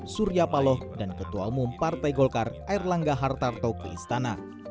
surya paloh dan ketua umum partai golkar air langga hartarto ke istana